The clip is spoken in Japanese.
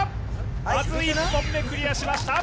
まず１本目クリアしました。